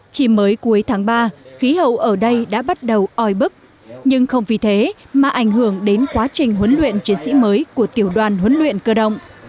chỉ mới cuối tháng ba khí hậu ở đây đã bắt đầu oi bức nhưng không vì thế mà ảnh hưởng đến quá trình huấn luyện chiến sĩ mới của tiểu đoàn huấn luyện cơ động